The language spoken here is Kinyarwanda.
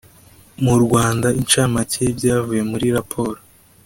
mu rwanda incamake y ibyavuye mu ri raporo